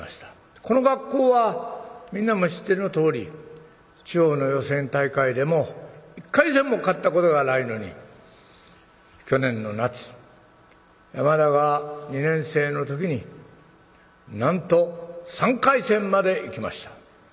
この学校はみんなも知ってのとおり地方の予選大会でも１回戦も勝ったことがないのに去年の夏山田が２年生の時になんと３回戦まで行きました。